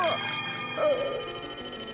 ああ。